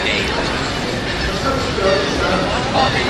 Acḥal n tcekkaṛin i tesɛamt?